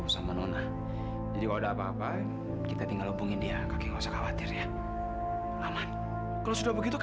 sampai jumpa di video selanjutnya